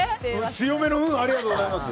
強めの、うんありがとうございます。